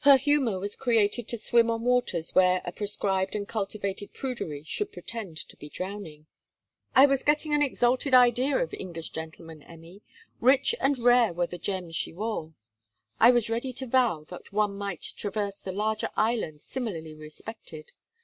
Her humour was created to swim on waters where a prescribed and cultivated prudery should pretend to be drowning. 'I was getting an exalted idea of English gentlemen, Emmy. "Rich and rare were the gems she wore." I was ready to vow that one might traverse the larger island similarly respected.